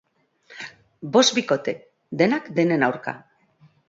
Bost bikote, denak denen aurka.